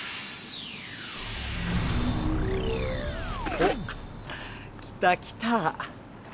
おっ来た来た。